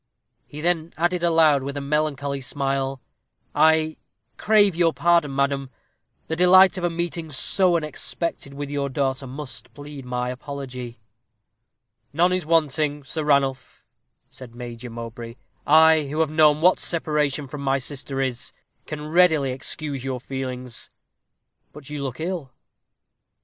He then added aloud, with a melancholy smile, "I crave your pardon, madam; the delight of a meeting so unexpected with your daughter must plead my apology." "None is wanting, Sir Ranulph," said Major Mowbray. "I who have known what separation from my sister is, can readily excuse your feelings. But you look ill."